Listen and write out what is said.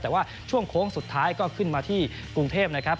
แต่ว่าช่วงโค้งสุดท้ายก็ขึ้นมาที่กรุงเทพนะครับ